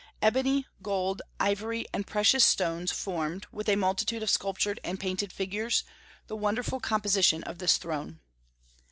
Ebony, gold, ivory, and precious stones formed, with a multitude of sculptured and painted figures, the wonderful composition of this throne.